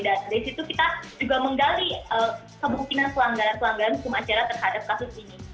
dari situ kita juga menggali kemungkinan pelanggaran pelanggaran hukum acara terhadap kasus ini